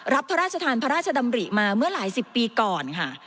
พระราชทานพระราชดำริมาเมื่อหลายสิบปีก่อนค่ะ